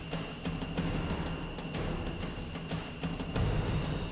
kemudian mereka segera ke tempat pip tripod itu